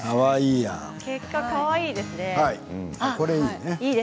結果かわいいですね。